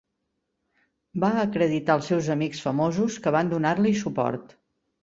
Va acreditar els seus amic famosos, que van donar-li suport.